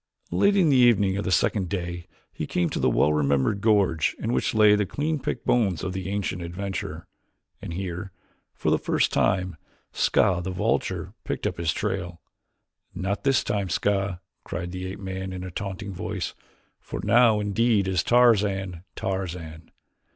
Late in the evening of the second day he came to the well remembered gorge in which lay the clean picked bones of the ancient adventurer, and here, for the first time, Ska, the vulture, picked up his trail. "Not this time, Ska," cried the ape man in a taunting voice, "for now indeed is Tarzan Tarzan.